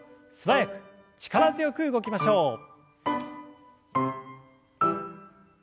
素早く力強く動きましょう。